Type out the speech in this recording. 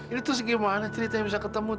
ini terus gimana cerita yang bisa ketemu